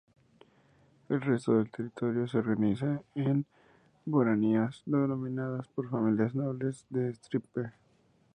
El resto del territorio se organiza en baronías, dominadas por familias nobles de estirpe.